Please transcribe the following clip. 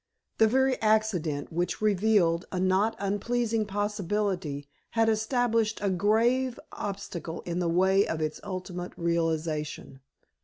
The very accident which revealed a not unpleasing possibility had established a grave obstacle in the way of its ultimate realization.